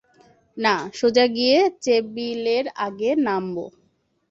না, সোজা গিয়ে চেভিলের আগে নামবো।